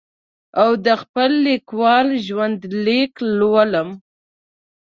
او د خپل لیکوال ژوند لیک لولم.